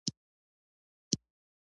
د لیکنې طرز يې په زړه پورې وي.